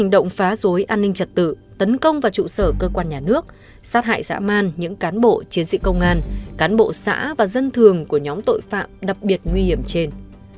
động phá dối an ninh trật tự tấn công vào trụ sở cơ quan nhà nước sát hại dã man những cán bộ chiến sĩ công an cán bộ xã và dân thường của nhóm tội phạm đặc biệt nguy hiểm trên